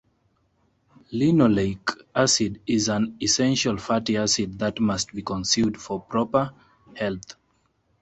Linoleic acid is an essential fatty acid that must be consumed for proper health.